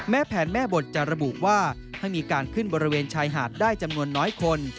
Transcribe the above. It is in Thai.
แผนแม่บทจะระบุว่าให้มีการขึ้นบริเวณชายหาดได้จำนวนน้อยคน